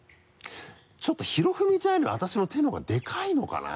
ちょっと宏文ちゃんよりも私の手のほうがでかいのかな？